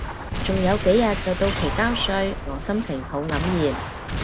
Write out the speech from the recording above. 仲有幾日就到期交稅，我心情好黯然